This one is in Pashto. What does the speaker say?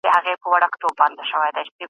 هغه تل په انټرنیټ کې د نویو شیانو په لټه کې وي.